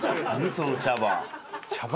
その茶番。